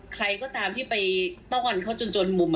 ใครก็ตามที่ไปต้อนเขาจนจนมุม